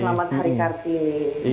dan selamat hari kartini